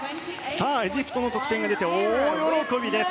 エジプトの得点が出て大喜びです。